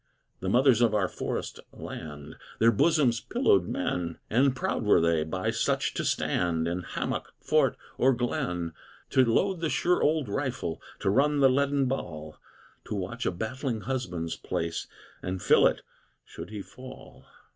The Mothers of our Forest Land! Their bosoms pillowed men! And proud were they by such to stand, In hammock, fort, or glen. To load the sure old rifle, To run the leaden ball, To watch a battling husband's place, And fill it should he fall.